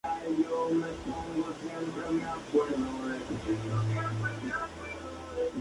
Pareja de juegos para Game Boy Color.